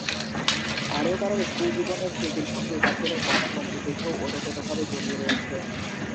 কারও কারও স্কুলজীবনের স্মৃতির সঙ্গে একাত্তরের মহান মুক্তিযুদ্ধও ওতপ্রোতভাবে জড়িয়ে রয়েছে।